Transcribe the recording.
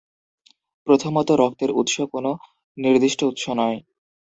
প্রথমত, রক্তের উৎস কোনো নির্দিষ্ট উৎস নয়।